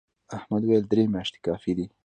احمد وويل: درې میاشتې کافي دي.